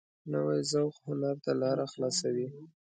نوی ذوق هنر ته لاره خلاصوي